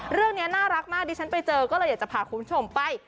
เรื่องนี้น่ารักมากดิฉันไปเจอก็เลยอยากจะพาคุณผู้ชมไป